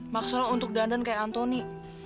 maksudnya untuk dandan kayak anthony